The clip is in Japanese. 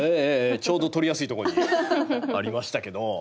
ちょうど取りやすいとこにありましたけど。